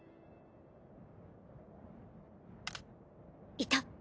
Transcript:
いた。